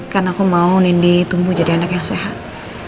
karena aku mau nindy tumbuh jadi anak yang sehat